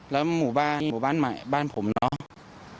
แล้วหมู่บ้านหมู่บ้านใหม่บ้านผมเนาะ